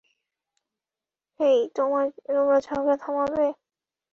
হেই, তোমরা ঝগড়া থামাবে?